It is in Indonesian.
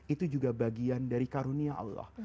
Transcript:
itu juga bagian dari karunia allah